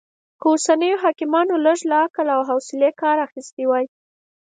که اوسنيو حاکمانو لږ له عقل او حوصلې کار اخيستی وای